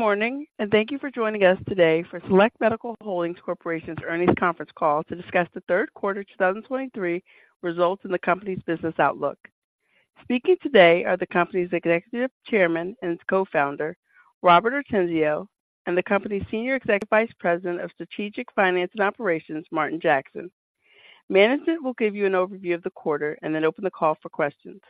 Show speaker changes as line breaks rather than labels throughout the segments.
Good morning, and thank you for joining us today for Select Medical Holdings Corporation's Earnings Conference Call to discuss the third quarter, 2023 results in the company's business outlook. Speaking today are the company's Executive Chairman and its Co-founder, Robert Ortenzio, and the company's Senior Executive Vice President of Strategic Finance and Operations, Martin Jackson. Management will give you an overview of the quarter and then open the call for questions.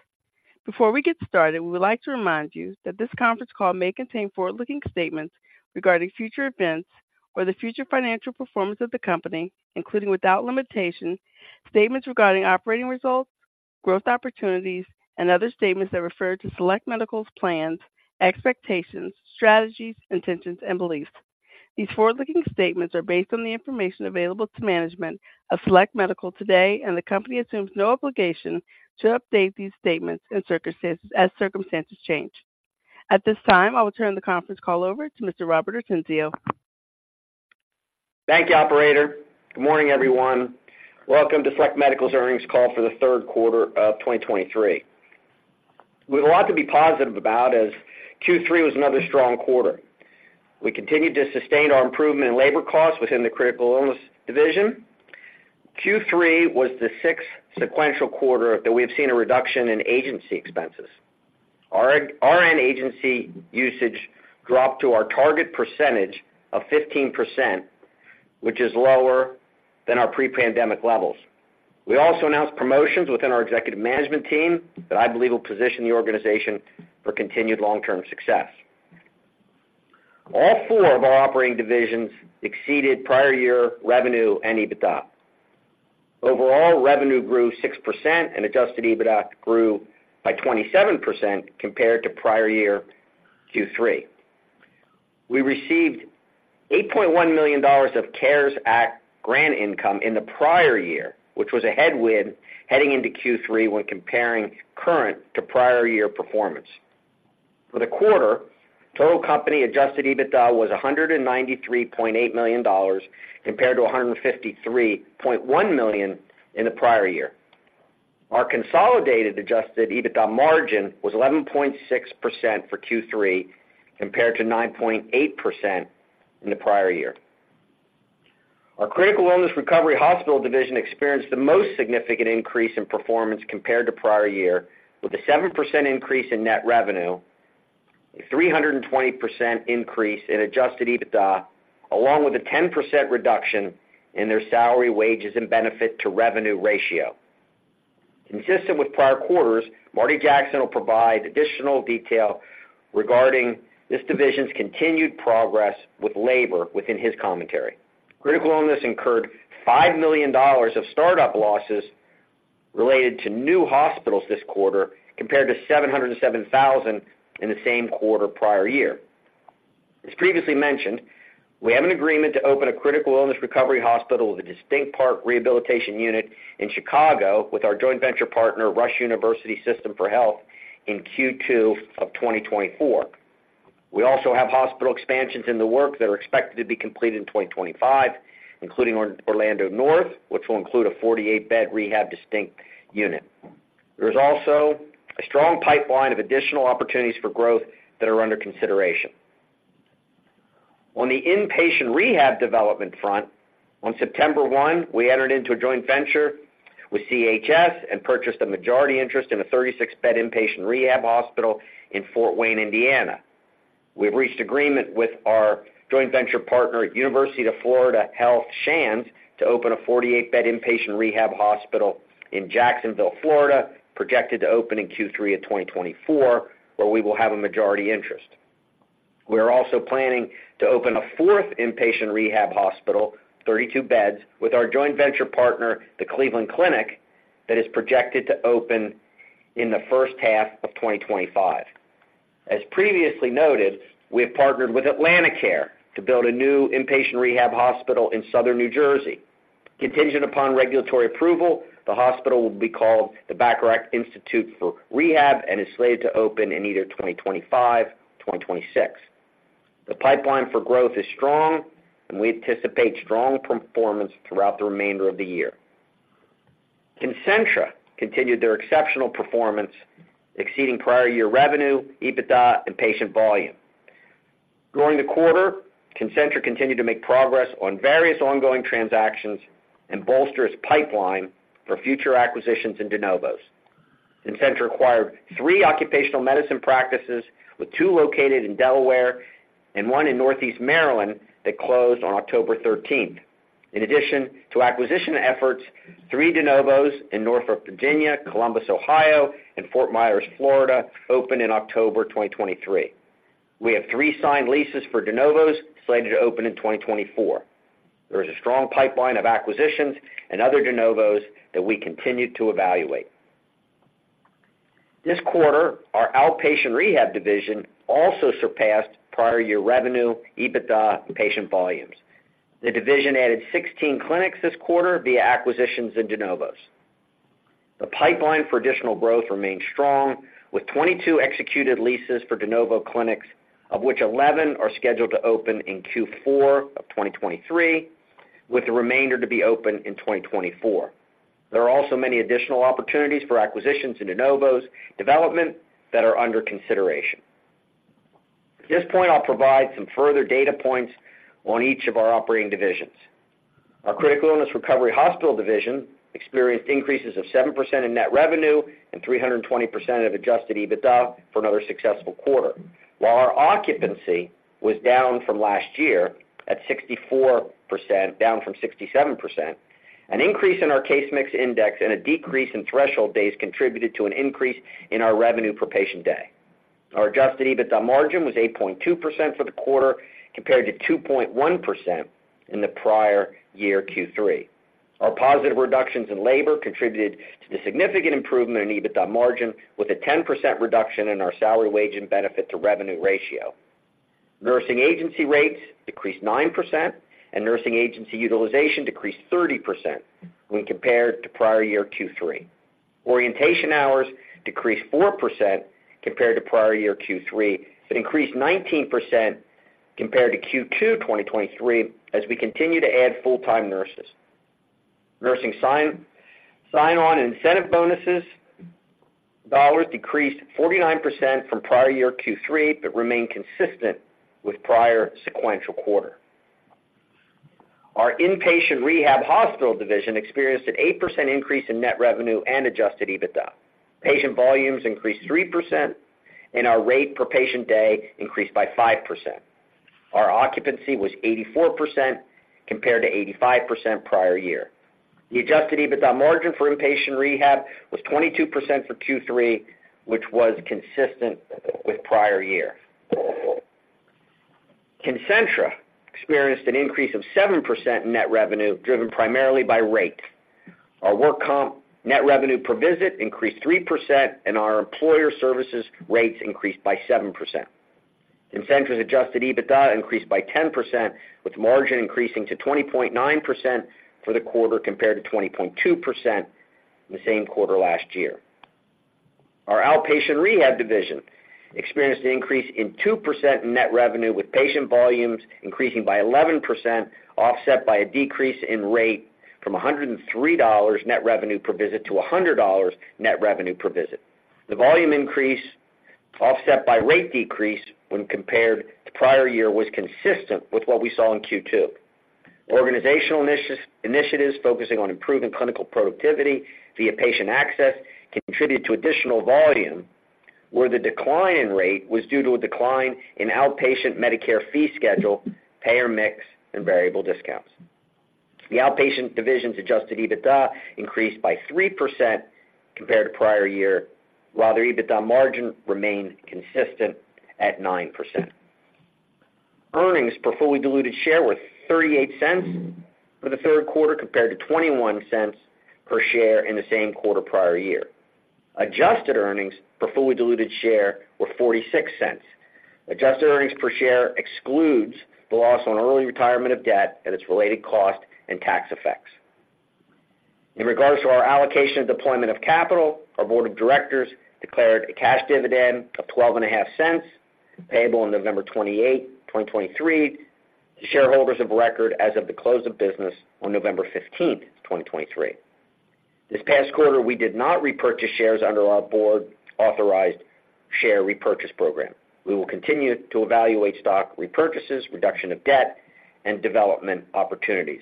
Before we get started, we would like to remind you that this conference call may contain forward-looking statements regarding future events or the future financial performance of the company, including without limitation, statements regarding operating results, growth opportunities, and other statements that refer to Select Medical's plans, expectations, strategies, intentions, and beliefs. These forward-looking statements are based on the information available to management of Select Medical today, and the company assumes no obligation to update these statements as circumstances change. At this time, I will turn the conference call over to Mr. Robert Ortenzio.
Thank you, operator. Good morning, everyone. Welcome to Select Medical's earnings call for the third quarter of 2023. We have a lot to be positive about as Q3 was another strong quarter. We continued to sustain our improvement in labor costs within the Critical Illness division. Q3 was the sixth sequential quarter that we have seen a reduction in agency expenses. Our RN agency usage dropped to our target percentage of 15%, which is lower than our pre-pandemic levels. We also announced promotions within our executive management team that I believe will position the organization for continued long-term success. All four of our operating divisions exceeded prior year revenue and EBITDA. Overall, revenue grew 6%, and adjusted EBITDA grew by 27% compared to prior year Q3. We received $8.1 million of CARES Act grant income in the prior year, which was a headwind heading into Q3 when comparing current to prior year performance. For the quarter, total company adjusted EBITDA was $193.8 million, compared to $153.1 million in the prior year. Our consolidated adjusted EBITDA margin was 11.6% for Q3, compared to 9.8% in the prior year. Our Critical Illness Recovery Hospital division experienced the most significant increase in performance compared to prior year, with a 7% increase in net revenue, a 320% increase in adjusted EBITDA, along with a 10% reduction in their salary, wages, and benefit to revenue ratio. Consistent with prior quarters, Martin Jackson will provide additional detail regarding this division's continued progress with labor within his commentary. Critical Illness incurred $5 million of startup losses related to new hospitals this quarter, compared to $707,000 in the same quarter prior year. As previously mentioned, we have an agreement to open a critical illness recovery hospital with a distinct part rehabilitation unit in Chicago with our joint venture partner, Rush University System for Health, in Q2 of 2024. We also have hospital expansions in the works that are expected to be completed in 2025, including Orlando North, which will include a 48-bed rehab distinct unit. There's also a strong pipeline of additional opportunities for growth that are under consideration. On the inpatient rehab development front, on September 1, we entered into a joint venture with CHS and purchased a majority interest in a 36-bed inpatient rehab hospital in Fort Wayne, Indiana. We've reached agreement with our joint venture partner at University of Florida Health Shands, to open a 48-bed inpatient rehab hospital in Jacksonville, Florida, projected to open in Q3 of 2024, where we will have a majority interest. We are also planning to open a fourth inpatient rehab hospital, 32 beds, with our joint venture partner, the Cleveland Clinic, that is projected to open in the first half of 2025. As previously noted, we have partnered with AtlantiCare to build a new inpatient rehab hospital in Southern New Jersey. Contingent upon regulatory approval, the hospital will be called the Bacharach Institute for Rehab and is slated to open in either 2025 or 2026. The pipeline for growth is strong, and we anticipate strong performance throughout the remainder of the year. Concentra continued their exceptional performance, exceeding prior year revenue, EBITDA, and patient volume. During the quarter, Concentra continued to make progress on various ongoing transactions and bolster its pipeline for future acquisitions and de novos. Concentra acquired three occupational medicine practices, with two located in Delaware and one in Northeast Maryland, that closed on October 13th. In addition to acquisition efforts, three de novos in Norfolk, Virginia, Columbus, Ohio, and Fort Myers, Florida, opened in October 2023. We have three signed leases for de novos, slated to open in 2024. There is a strong pipeline of acquisitions and other de novos that we continue to evaluate. This quarter, our Outpatient Rehab Division also surpassed prior year revenue, EBITDA, and patient volumes. The division added 16 clinics this quarter via acquisitions in de novos. The pipeline for additional growth remains strong, with 22 executed leases for de novo clinics, of which 11 are scheduled to open in Q4 of 2023, with the remainder to be opened in 2024. There are also many additional opportunities for acquisitions in de novos development that are under consideration. At this point, I'll provide some further data points on each of our operating divisions. Our Critical Illness Recovery Hospital division experienced increases of 7% in net revenue and 320% of Adjusted EBITDA for another successful quarter. While our occupancy was down from last year at 64%, down from 67%, an increase in our case mix index and a decrease in threshold days contributed to an increase in our revenue per patient day. Our Adjusted EBITDA margin was 8.2% for the quarter, compared to 2.1% in the prior year Q3. Our positive reductions in labor contributed to the significant improvement in EBITDA margin, with a 10% reduction in our salary, wage, and benefit to revenue ratio. Nursing agency rates decreased 9%, and nursing agency utilization decreased 30% when compared to prior year Q3. Orientation hours decreased 4% compared to prior year Q3, but increased 19% compared to Q2 2023 as we continue to add full-time nurses. Nursing sign-on and incentive bonuses dollars decreased 49% from prior year Q3, but remained consistent with prior sequential quarter. Our Inpatient Rehab Hospital division experienced an 8% increase in net revenue and adjusted EBITDA. Patient volumes increased 3%, and our rate per patient day increased by 5%. Our occupancy was 84%, compared to 85% prior year. The Adjusted EBITDA margin for inpatient rehab was 22% for Q3, which was consistent with prior year. Concentra experienced an increase of 7% in net revenue, driven primarily by rate. Our work comp net revenue per visit increased 3%, and our employer services rates increased by 7%. Concentra's Adjusted EBITDA increased by 10%, with margin increasing to 20.9% for the quarter, compared to 20.2% in the same quarter last year. Our Outpatient Rehab division experienced an increase in 2% net revenue, with patient volumes increasing by 11%, offset by a decrease in rate from $103-$100 net revenue per visit. The volume increase, offset by rate decrease when compared to prior year, was consistent with what we saw in Q2. Organizational initiatives, initiatives focusing on improving clinical productivity via patient access contributed to additional volume, where the decline in rate was due to a decline in outpatient Medicare fee schedule, payer mix, and variable discounts. The outpatient division's Adjusted EBITDA increased by 3% compared to prior year, while their EBITDA margin remained consistent at 9%. Earnings per fully diluted share were $0.38 for the third quarter, compared to $0.21 per share in the same quarter prior year. Adjusted earnings per fully diluted share were $0.46. Adjusted earnings per share excludes the loss on early retirement of debt and its related cost and tax effects. In regards to our allocation and deployment of capital, our board of directors declared a cash dividend of $0.125, payable on November 28th, 2023, to shareholders of record as of the close of business on November 15th, 2023. This past quarter, we did not repurchase shares under our board-authorized share repurchase program. We will continue to evaluate stock repurchases, reduction of debt, and development opportunities.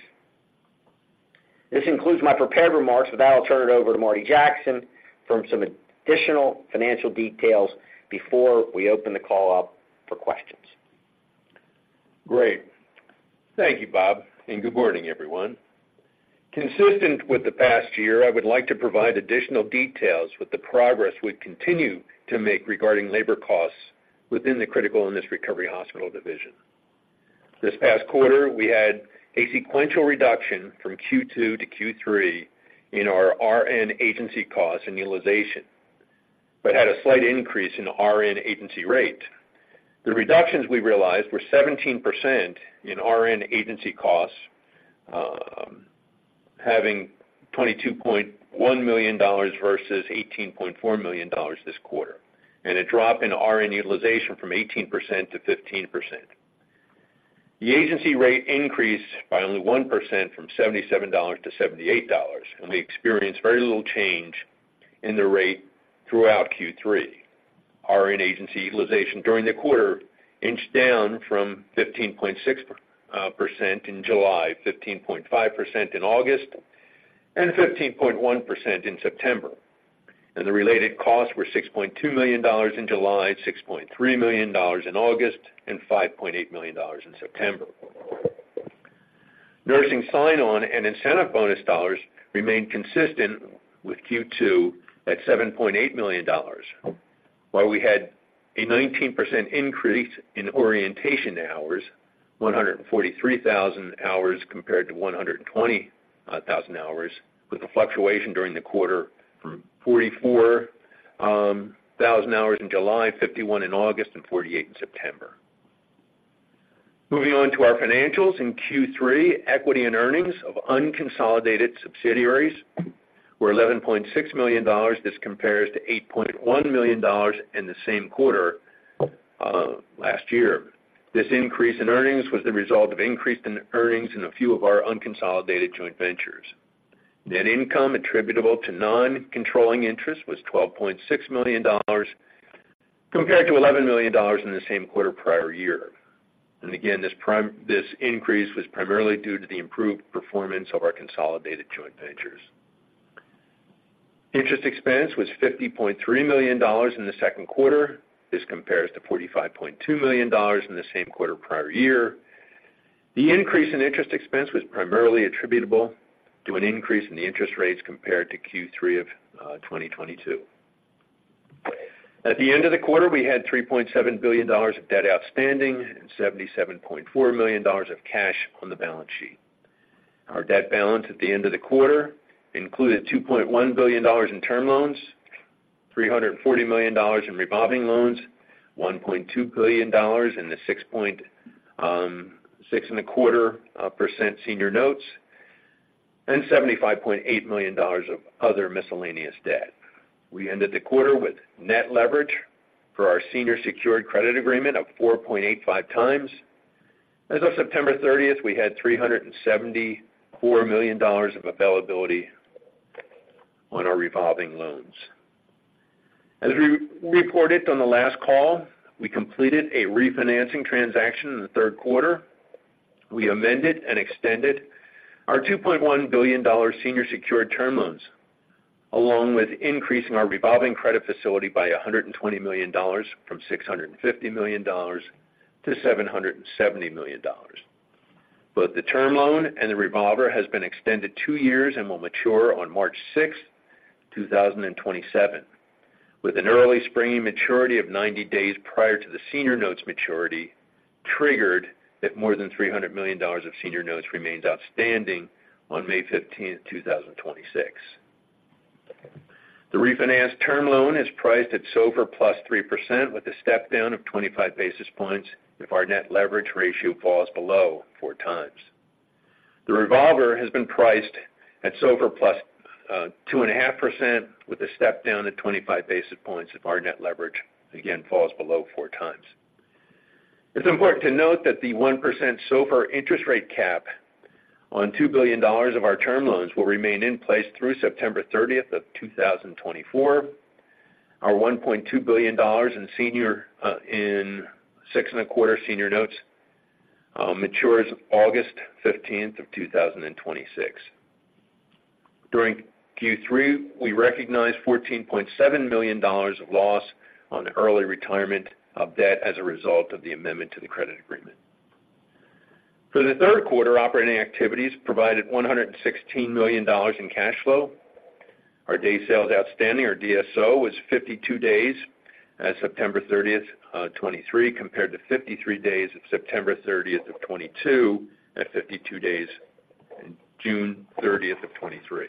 This concludes my prepared remarks. With that, I'll turn it over to Martin Jackson for some additional financial details before we open the call up for questions.
Great. Thank you, Bob, and good morning, everyone. Consistent with the past year, I would like to provide additional details with the progress we've continued to make regarding labor costs within the Critical Illness Recovery Hospital division. This past quarter, we had a sequential reduction from Q2 to Q3 in our RN agency costs and utilization, but had a slight increase in RN agency rate. The reductions we realized were 17% in RN agency costs, having $22.1 million versus $18.4 million this quarter, and a drop in RN utilization from 18%-15%. The agency rate increased by only 1% from $77-$78, and we experienced very little change in the rate throughout Q3. RN agency utilization during the quarter inched down from 15.6% in July, 15.5% in August, and 15.1% in September. The related costs were $6.2 million in July, $6.3 million in August, and $5.8 million in September. Nursing sign-on and incentive bonus dollars remained consistent with Q2 at $7.8 million, while we had a 19% increase in orientation hours, 143,000 hours compared to 120,000 hours, with a fluctuation during the quarter from 44,000 hours in July, 51,000 in August, and 48,000 in September. Moving on to our financials. In Q3, equity and earnings of unconsolidated subsidiaries were $11.6 million. This compares to $8.1 million in the same quarter last year. This increase in earnings was the result of increase in earnings in a few of our unconsolidated joint ventures. Net income attributable to non-controlling interest was $12.6 million, compared to $11 million in the same quarter prior year. And again, this—this increase was primarily due to the improved performance of our consolidated joint ventures. Interest expense was $50.3 million in the second quarter. This compares to $45.2 million in the same quarter prior year. The increase in interest expense was primarily attributable to an increase in the interest rates compared to Q3 of 2022. At the end of the quarter, we had $3.7 billion of debt outstanding and $77.4 million of cash on the balance sheet. Our debt balance at the end of the quarter included $2.1 billion in term loans, $340 million in revolving loans, $1.2 billion in the 6.625% senior notes, and $75.8 million of other miscellaneous debt. We ended the quarter with net leverage for our Senior Secured Credit Agreement of 4.85 times. As of September 30th, we had $374 million of availability on our revolving loans. As we reported on the last call, we completed a refinancing transaction in the third quarter. We amended and extended our $2.1 billion senior secured term loans, along with increasing our revolving credit facility by $120 million, from $650 million to $770 million. Both the term loan and the revolver has been extended two years and will mature on March 6th, 2027, with an early springing maturity of 90 days prior to the senior notes maturity, triggered if more than $300 million of senior notes remains outstanding on May 15th, 2026. The refinanced term loan is priced at SOFR + 3%, with a step down of 25 basis points if our net leverage ratio falls below 4 times. The revolver has been priced at SOFR plus 2.5%, with a step down to 25 basis points if our net leverage, again, falls below four times. It's important to note that the 1% SOFR interest rate cap on $2 billion of our term loans will remain in place through September 30th, 2024. Our $1.2 billion in senior, in 6.25% senior notes, matures August 15th of 2026. During Q3, we recognized $14.7 million of loss on the early retirement of debt as a result of the amendment to the credit agreement. For the third quarter, operating activities provided $116 million in cash flow. Our days sales outstanding, or DSO, was 52 days as of September 30th, 2023, compared to 53 days as of September 30th, 2022, at 52 days as of June 30th, 2023.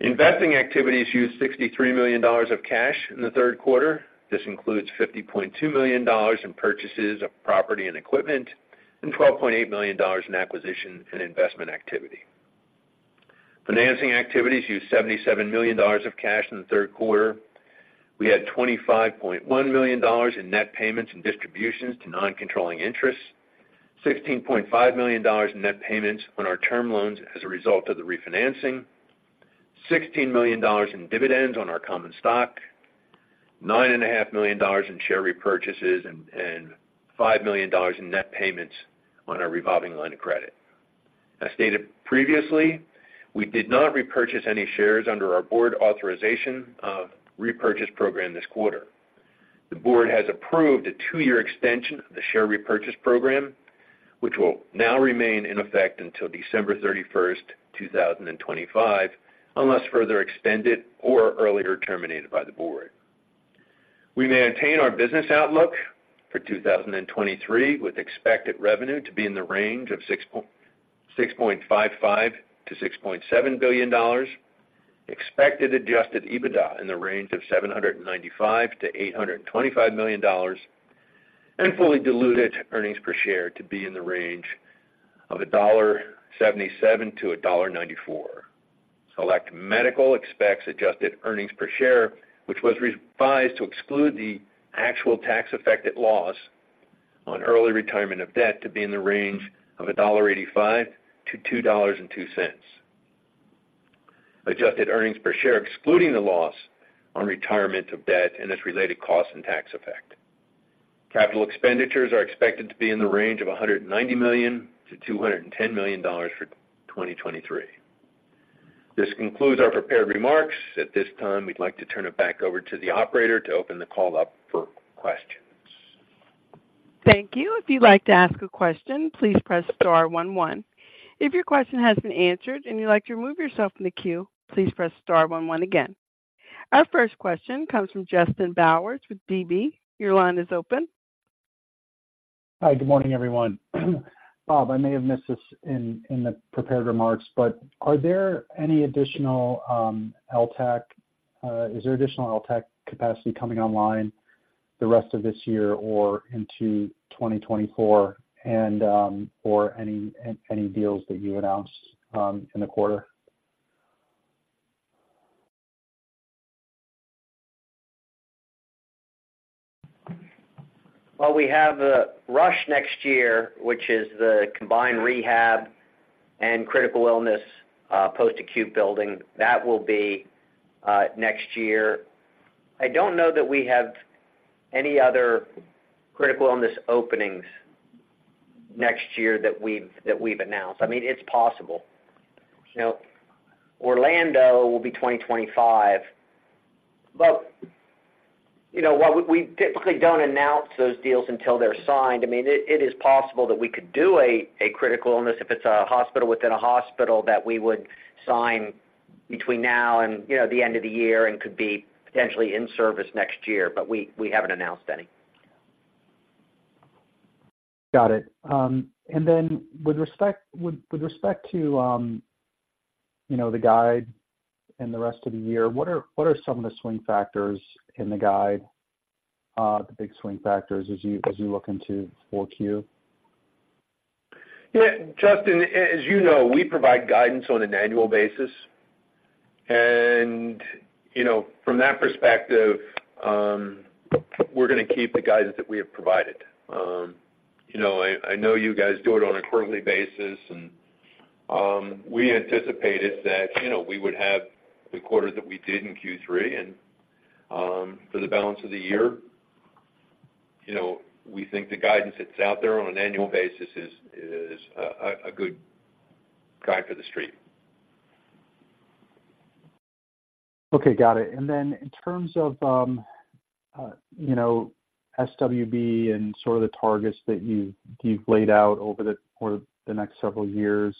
Investing activities used $63 million of cash in the third quarter. This includes $50.2 million in purchases of property and equipment and $12.8 million in acquisition and investment activity. Financing activities used $77 million of cash in the third quarter. We had $25.1 million in net payments and distributions to non-controlling interests, $16.5 million in net payments on our term loans as a result of the refinancing, $16 million in dividends on our common stock, $9.5 million in share repurchases and $5 million in net payments on our revolving line of credit. As stated previously, we did not repurchase any shares under our board authorization of repurchase program this quarter. The board has approved a two-year extension of the share repurchase program, which will now remain in effect until December 31st, 2025, unless further extended or earlier terminated by the board. We maintain our business outlook for 2023, with expected revenue to be in the range of $6.655 billion-$6.7 billion, expected Adjusted EBITDA in the range of $795 million-$825 million, and fully diluted earnings per share to be in the range of $1.77-$1.94. Select Medical expects adjusted earnings per share, which was revised to exclude the actual tax-affected loss on early retirement of debt, to be in the range of $1.85-$2.02. Adjusted earnings per share, excluding the loss on retirement of debt and its related costs and tax effect. Capital expenditures are expected to be in the range of $190 million-$210 million for 2023. This concludes our prepared remarks. At this time, we'd like to turn it back over to the operator to open the call up for questions.
Thank you. If you'd like to ask a question, please press star one, one. If your question has been answered and you'd like to remove yourself from the queue, please press star one one again. Our first question comes from Justin Bowers with DB. Your line is open.
Hi, good morning, everyone. Bob, I may have missed this in the prepared remarks, but is there additional LTAC capacity coming online the rest of this year or into 2024, and or any deals that you announced in the quarter? ...
Well, we have RUSH next year, which is the combined rehab and critical illness post-acute building. That will be next year. I don't know that we have any other critical illness openings next year that we've, that we've announced. I mean, it's possible. You know, Orlando will be 2025. But, you know, while we, we typically don't announce those deals until they're signed, I mean, it, it is possible that we could do a, a critical illness if it's a hospital within a hospital, that we would sign between now and, you know, the end of the year and could be potentially in service next year, but we, we haven't announced any.
Got it. And then with respect to, you know, the guide and the rest of the year, what are some of the swing factors in the guide, the big swing factors as you look into 4Q?
Yeah, Justin, as you know, we provide guidance on an annual basis. From that perspective, you know, we're gonna keep the guidance that we have provided. You know, I know you guys do it on a quarterly basis and we anticipated that, you know, we would have the quarter that we did in Q3, and for the balance of the year, you know, we think the guidance that's out there on an annual basis is a good guide for the street.
Okay, got it. And then in terms of, you know, SWB and sort of the targets that you've laid out for the next several years,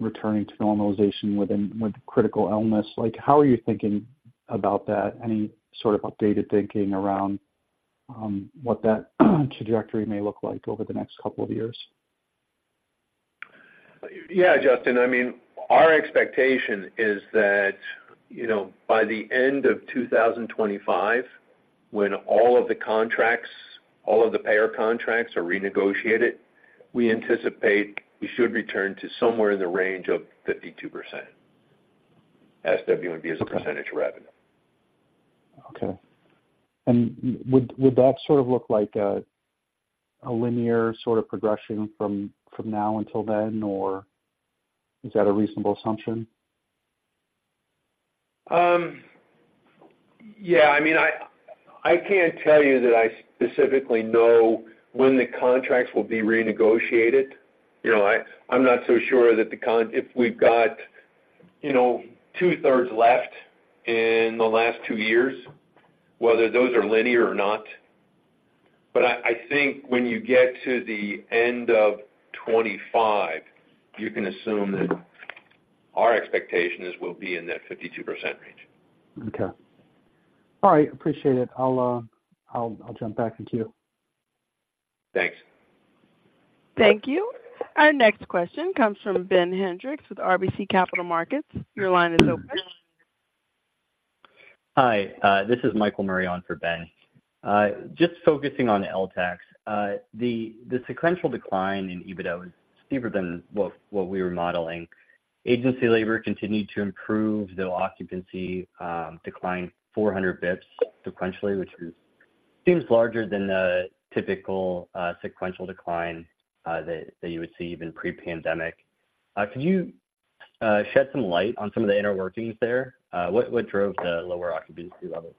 returning to normalization with critical illness, like, how are you thinking about that? Any sort of updated thinking around what that trajectory may look like over the next couple of years?
Yeah, Justin, I mean, our expectation is that, you know, by the end of 2025, when all of the contracts, all of the payer contracts are renegotiated, we anticipate we should return to somewhere in the range of 52%, SWB as a percentage of revenue.
Okay. Would that sort of look like a linear sort of progression from now until then, or is that a reasonable assumption?
Yeah, I mean, I can't tell you that I specifically know when the contracts will be renegotiated. You know, I'm not so sure that if we've got, you know, two-thirds left in the last two years, whether those are linear or not. But I think when you get to the end of 2025, you can assume that our expectation is we'll be in that 52% range.
Okay. All right, appreciate it. I'll jump back in queue.
Thanks.
Thank you. Our next question comes from Ben Hendricks with RBC Capital Markets. Your line is open.
Hi, this is Michael Murray on for Ben. Just focusing on LTACs. The sequential decline in EBITDA was steeper than what we were modeling. Agency labor continued to improve, though occupancy declined 400 bps sequentially, which seems larger than the typical sequential decline that you would see even pre-pandemic. Can you shed some light on some of the inner workings there? What drove the lower occupancy levels?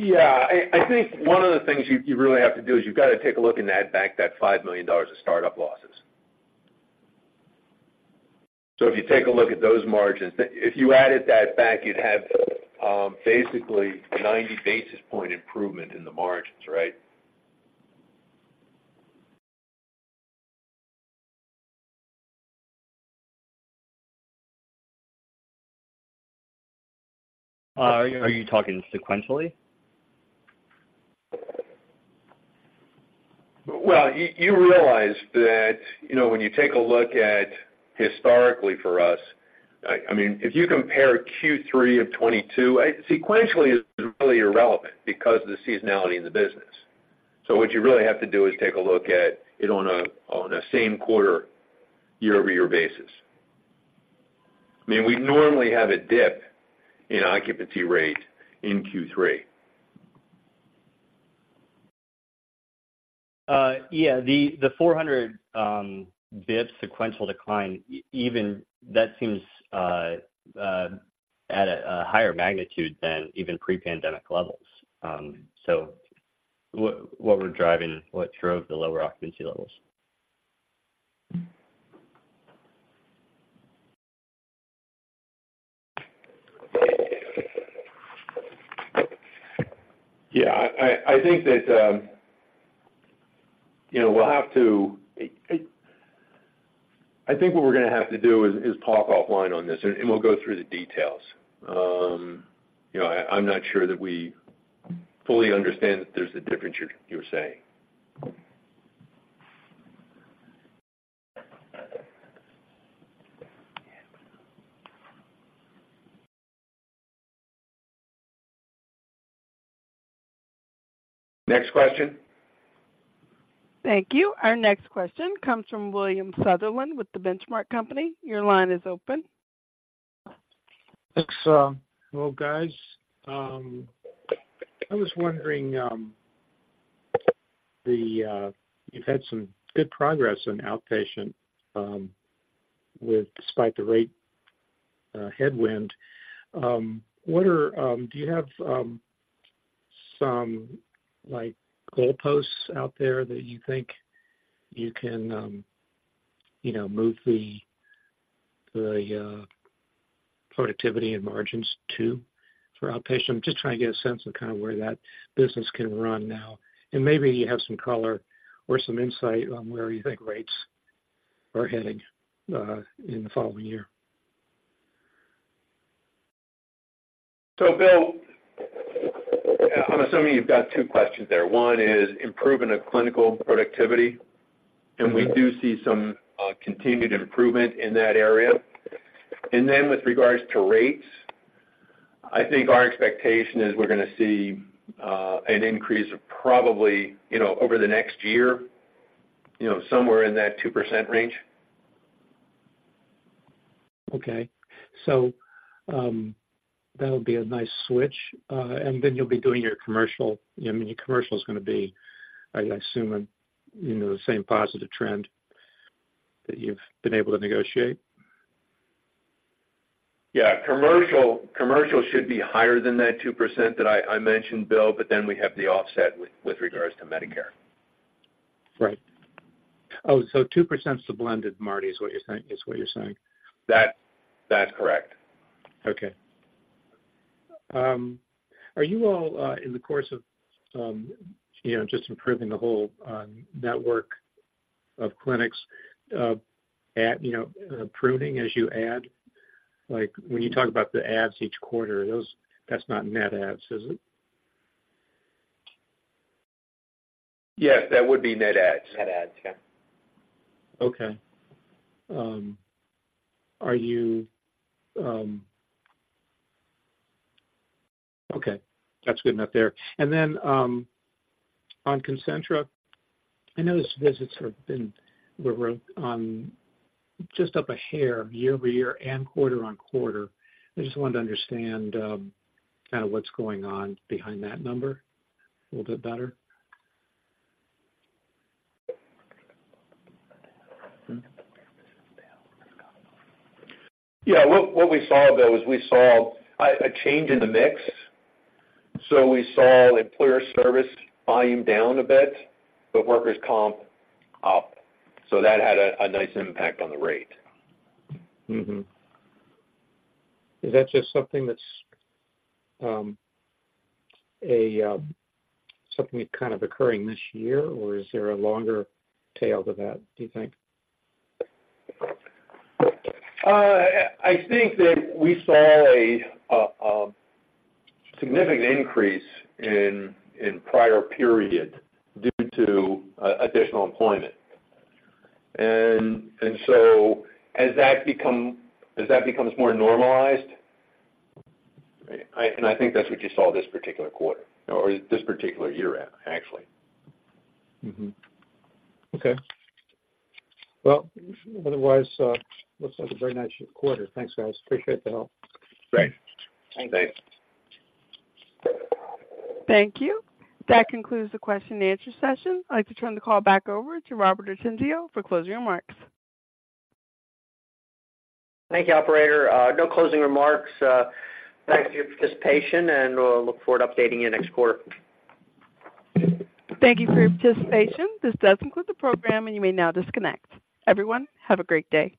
Yeah, I think one of the things you really have to do is you've got to take a look and add back that $5 million of startup losses. So if you take a look at those margins, if you added that back, you'd have basically a 90 basis point improvement in the margins, right?
Are you talking sequentially?
Well, you realize that, you know, when you take a look at historically for us, I mean, if you compare Q3 of 2022, sequentially is really irrelevant because of the seasonality in the business. So what you really have to do is take a look at it on a same quarter year-over-year basis. I mean, we normally have a dip in occupancy rate in Q3.
Yeah, the 400 bps sequential decline, even that seems at a higher magnitude than even pre-pandemic levels. So what drove the lower occupancy levels?
Yeah, I think that, you know, we'll have to... I think what we're gonna have to do is talk offline on this, and we'll go through the details. You know, I'm not sure that we fully understand that there's a difference here, you were saying.... Next question.
Thank you. Our next question comes from William Sutherland with The Benchmark Company. Your line is open.
Thanks, well, guys. I was wondering, you've had some good progress in outpatient, with despite the rate headwind. Do you have some, like, goalposts out there that you think you can, you know, move the productivity and margins to for outpatient? I'm just trying to get a sense of kind of where that business can run now. And maybe you have some color or some insight on where you think rates are heading in the following year.
So Bill, I'm assuming you've got two questions there. One is improvement of clinical productivity, and we do see some continued improvement in that area. And then with regards to rates, I think our expectation is we're gonna see an increase of probably, you know, over the next year, you know, somewhere in that 2% range.
Okay. So, that'll be a nice switch. And then you'll be doing your commercial. I mean, your commercial is gonna be, I assume, in the same positive trend that you've been able to negotiate?
Yeah, commercial, commercial should be higher than that 2% that I mentioned, Bill, but then we have the offset with regards to Medicare.
Right. Oh, so 2% is the blended, Martin, is what you're saying, is what you're saying?
That, that's correct.
Okay. Are you all, in the course of, you know, just improving the whole network of clinics, at, you know, pruning as you add? Like, when you talk about the adds each quarter, those- that's not net adds, is it?
Yes, that would be net adds.
Net adds, yeah.
Okay. Okay, that's good enough there. And then, on Concentra, I know those visits were up just a hair year-over-year and quarter-over-quarter. I just wanted to understand kind of what's going on behind that number a little bit better.
Yeah. What we saw, Bill, is we saw a change in the mix. So we saw employer service volume down a bit, but workers' comp up, so that had a nice impact on the rate.
Mm-hmm. Is that just something that's something kind of occurring this year, or is there a longer tail to that, do you think?
I think that we saw a significant increase in prior periods due to additional employment. And so as that becomes more normalized, I think that's what you saw this particular quarter, or this particular year actually.
Mm-hmm. Okay. Well, otherwise, looks like a very nice quarter. Thanks, guys. Appreciate the help.
Great.
Thanks.
Thank you. That concludes the question and answer session. I'd like to turn the call back over to Robert Ortenzio for closing remarks.
Thank you, operator. No closing remarks. Thank you for your participation, and we'll look forward to updating you next quarter.
Thank you for your participation. This does conclude the program, and you may now disconnect. Everyone, have a great day.